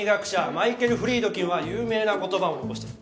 マイケル・フリードキンは有名な言葉を残してる。